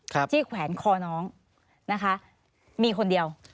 ครับที่แขวนคอน้องนะคะมีคนเดียว